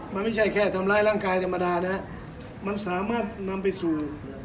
มันไม่ใช่แค่ทำร้ายร่างกายธรรมดานะฮะมันสามารถนำไปสู่